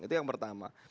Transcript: itu yang pertama